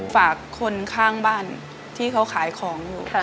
ฝากคนข้างบ้านที่เขาขายของอยู่